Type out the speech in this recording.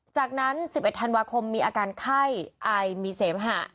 จากนั้น๑๑ธันวาคมมีอาการไข้ไอมีเสมหะ